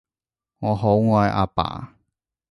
我好愛阿爸